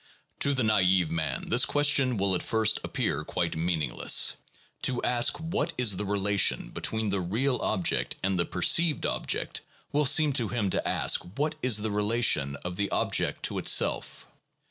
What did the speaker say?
To the naive man this question will at first appear quite mean ingless: to ask what is the relation between the real object and the perceived object will seem to him to ask what is the relation of the object to itself.